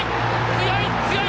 強い、強い！